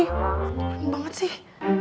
mending banget sih